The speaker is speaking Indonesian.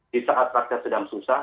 di saat rakyat sedang susah